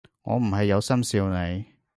我唔係有心笑你